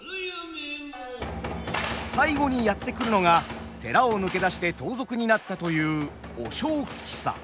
最後にやって来るのが寺を抜け出して盗賊になったという和尚吉三。